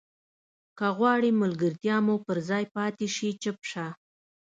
که غواړې ملګرتیا مو پر ځای پاتې شي چوپ شه.